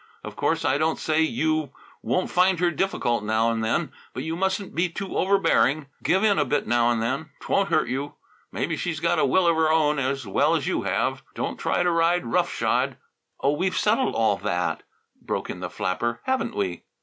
Of course, I don't say you won't find her difficult now and then, but you mustn't be too overbearing; give in a bit now and then; 't won't hurt you. Remember she's got a will of her own, as well as you have. Don't try to ride rough shod " "Oh, we've settled all that," broke in the flapper. "Haven't we?"